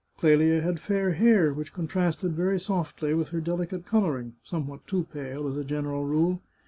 Clelia had fair hair, which contrasted, very softly, with her delicate colouring, somewhat too pale, as a general rule.